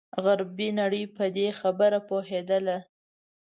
غربي نړۍ په دې خبره پوهېدله.